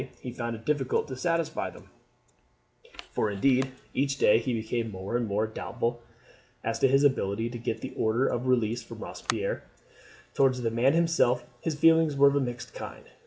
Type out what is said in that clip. He found it difficult to satisfy them, for indeed each day he became more and more doubtful as to his ability to get the order of release from Robespierre. Towards the man himself his feelings were of a mixed kind.